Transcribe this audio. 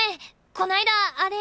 こないだあれ。